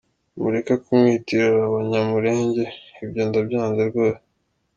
Mureke kumwitirira abanyamulenge , ibyo ndabyanze rwose.